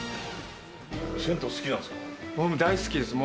銭湯、好きなんですか？